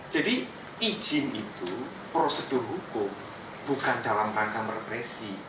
jadi izin itu prosedur hukum bukan dalam rangka merepresi